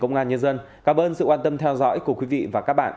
công an nhân dân cảm ơn sự quan tâm theo dõi của quý vị và các bạn